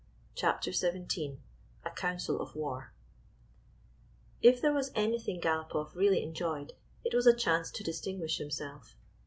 i95 * CHAPTER XVII A COUNCIL OF WAR I F there was anything Galopoff really enjoyed, it was a chance to distinguish himself.